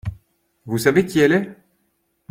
Vous savez qui elle est ?